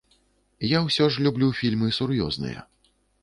Я ўсё ж люблю фільмы сур'ёзныя.